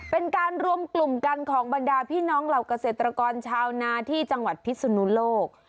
เป็นการรวมกลุ่มกันของบรรดาพี่น้องเหล่าเกษตรกรชาวนาที่จังหวัดพิศนุโลก